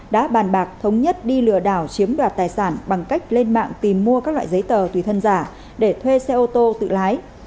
đã bàn bạc thống nhất đi lừa đảo chiếm đoạt tài sản bằng cách lên mạng tìm mua các loại giấy tờ tùy thân giả để thuê xe ô tô tự lái